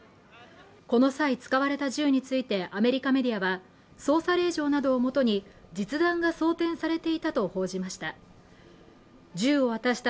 この際使われた銃についてアメリカメディアは捜査令状などをもとに実弾が装てんされていたと報じました